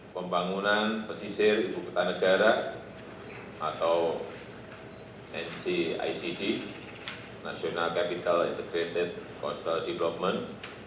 pembangunan pesisir ibu kota negara atau ncicd national capital integrated coastal development